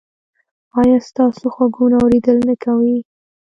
ایا ستاسو غوږونه اوریدل نه کوي؟